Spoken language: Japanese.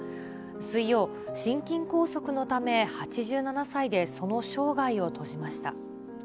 水曜、心筋梗塞のため８７歳でその生涯を閉じました。